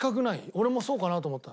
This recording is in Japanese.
俺もそうかなと思った。